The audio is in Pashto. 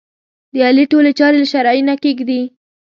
د علي ټولې چارې له شرعې نه کېږي دي.